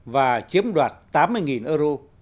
và chiếm đoạt tám mươi euro